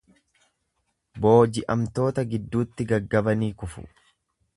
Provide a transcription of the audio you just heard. Booji'amtoota gidduutti gaggabanii kufu.